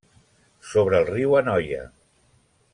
Sobre el riu Anoia.